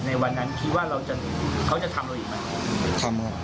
ในวันนั้นคิดว่าเขาจะทำเราอีกไหม